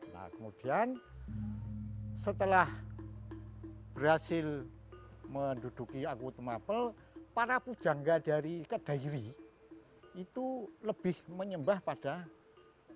nah kemudian setelah berhasil menduduki akutum apel para pujangga dari kedairi itu lebih menyembah pada ken arok